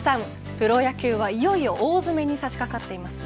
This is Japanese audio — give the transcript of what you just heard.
プロ野球は、いよいよ大詰めに差し掛かってきますね。